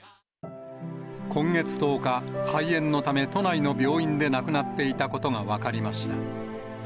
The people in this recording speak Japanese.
今月１０日、肺炎のため、都内の病院で亡くなっていたことが分かりました。